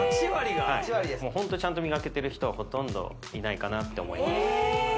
はいもうホントちゃんと磨けてる人はほとんどいないかなって思いますええ